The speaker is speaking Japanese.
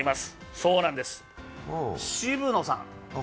そうなんです、渋野さん。